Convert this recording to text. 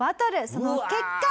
その結果。